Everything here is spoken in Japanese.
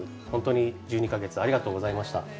ほんとに１２か月ありがとうございました。